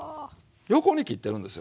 横に切ってるんですよ。